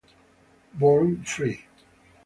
Born Free